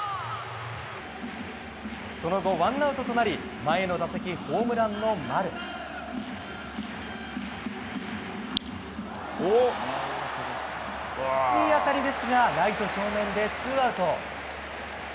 その後、ワンアウトとなり前の打席ホームランの丸。いい当たりですがライト正面でツーアウト。